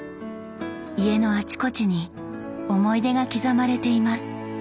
家のあちこちに思い出が刻まれています。